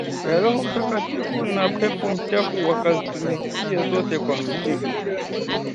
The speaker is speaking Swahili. ya roho mtakatifu na pepo mchafu wakazitumikia zote kwa mpigo